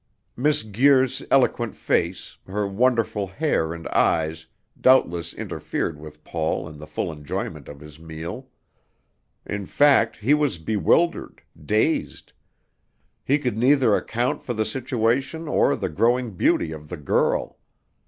Miss Guir's eloquent face, her wonderful hair and eyes, doubtless interfered with Paul in the full enjoyment of his meal. In fact, he was bewildered dazed. He could neither account for the situation or the growing beauty of the girl.